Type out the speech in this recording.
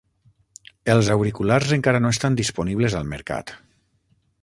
Els auriculars encara no estan disponibles al mercat.